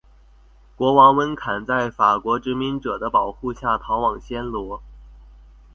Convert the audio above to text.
国王温坎在法国殖民者的保护下逃往暹罗。